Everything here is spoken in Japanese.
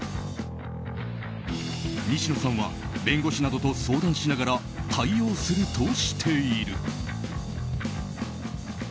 西野さんは弁護士などと相談しながら対応するとしている。